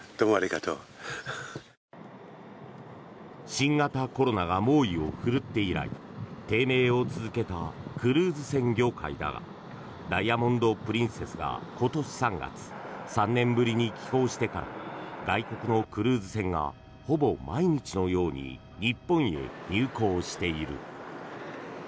新型コロナが猛威を振るって以来低迷を続けたクルーズ船業界だが「ダイヤモンド・プリンセス」が今年３月３年ぶりに寄港してから外国のクルーズ船がほぼ毎日のように日本へ入港している。